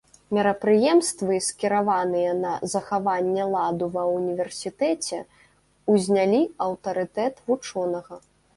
Мерапрыемствы, скіраваныя на захаванне ладу ва ўніверсітэце, узнялі аўтарытэт вучонага.